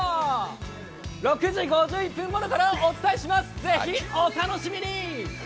６時５１分ごろからお伝えします、ぜひお楽しみに。